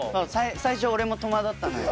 最初俺も戸惑ったのよ。